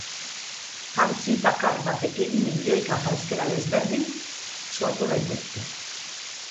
Jantzi bakar batekin milioika janzkera desberdin sortu daitezke.